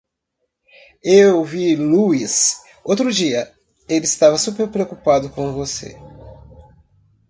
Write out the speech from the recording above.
Eu vi Louis outro dia, ele estava super preocupado com você.